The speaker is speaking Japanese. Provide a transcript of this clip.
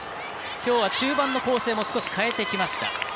きょうは中盤の構成を少し、変えてきました。